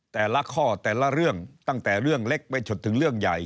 แต่ละข้อแต่ละเรื่องตั้งแต่เรื่องเล็กไปจนถึงเรื่องใหญ่